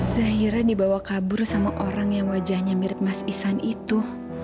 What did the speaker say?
seheran dibawa kabur sama orang yang wajahnya mirip mas isan itu